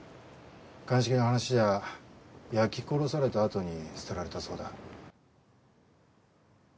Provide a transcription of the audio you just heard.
鑑識の話じゃ焼き殺されたあとに捨てられたそうだ。